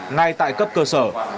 ngay tại cấp cơ sở